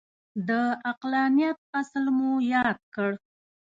د عقلانیت اصل مو یاد کړ.